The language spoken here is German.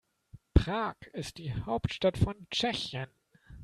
Prag ist die Hauptstadt von Tschechien.